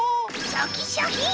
シャキシャキン！